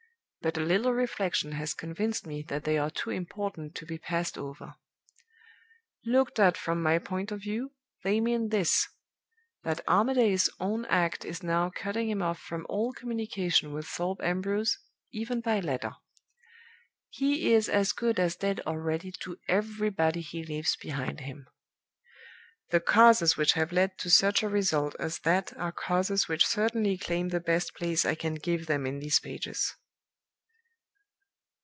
But a little reflection has convinced me that they are too important to be passed over. Looked at from my point of view, they mean this that Armadale's own act is now cutting him off from all communication with Thorpe Ambrose, even by letter. He is as good as dead already to everybody he leaves behind him. The causes which have led to such a result as that are causes which certainly claim the best place I can give them in these pages."